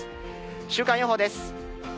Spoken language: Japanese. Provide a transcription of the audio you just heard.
週間予報です。